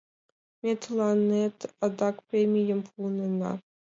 — Ме тыланет адак премийым пуынена.